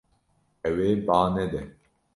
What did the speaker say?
Ew ê ba nede.